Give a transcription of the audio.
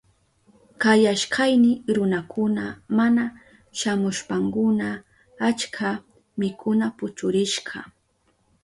Kayashkayni runakuna mana shamushpankuna achka mikuna puchurishka.